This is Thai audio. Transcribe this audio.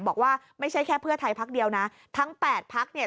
บอกว่าไม่ใช่แค่เพื่อไทยพักเดียวนะทั้ง๘พักเนี่ย